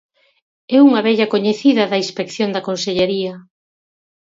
É unha vella coñecida da Inspección da Consellaría.